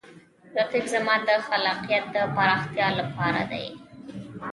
رقیب زما د خلاقیت د پراختیا لپاره دی